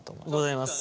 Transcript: ございます。